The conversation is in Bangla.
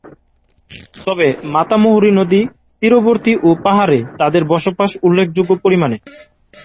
তবে মাতামুহুরী নদী তীরবর্তী ও পাহাড়ে তাদের বসবাস উল্লেখ্যযোগ্য পরিমাণে।